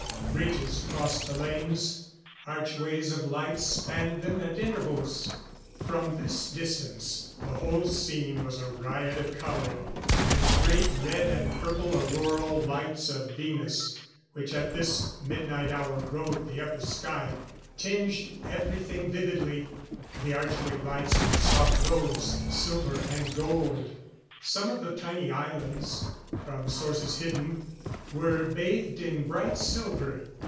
Bridges crossed the lanes; archways of lights spanned them at intervals. From this distance the whole scene was a riot of color and great red and purple auroral lights of Venus, which at this midnight hour rode the upper sky, tinged everything vividly. The archway lights were soft rose, silver and gold. Some of the tiny islands, from sources hidden were bathed in bright silver.